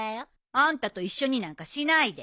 あんたと一緒になんかしないで。